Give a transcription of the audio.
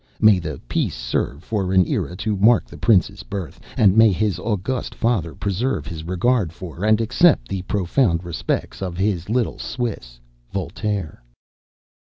May the peace serve for an era to mark the prince's birth; and may his august father preserve his regard for, and accept the profound respects of his little Swiss, Voltaire."